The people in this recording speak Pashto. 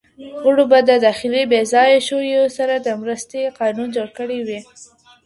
غړو به د داخلي بې ځايه شويو سره د مرستې قانون جوړ کړی وي.